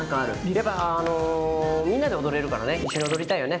やっぱみんなで踊れるからね、一緒に踊りたいよね？